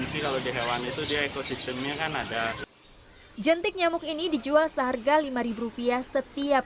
sih kalau di hewan itu dia ekosistemnya kan ada jentik nyamuk ini dijual seharga lima ribu rupiah setiap